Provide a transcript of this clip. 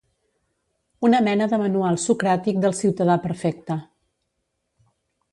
una mena de manual socràtic del ciutadà perfecte